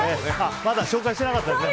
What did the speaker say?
まだ紹介してなかったですね。